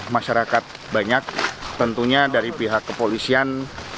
masyarakat banyak tentunya dari pihak kepolisian